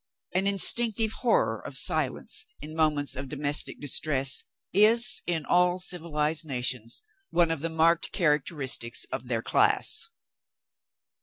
An instinctive horror of silence, in moments of domestic distress, is, in all civilized nations, one of the marked characteristics of their class.